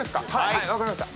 分かりました。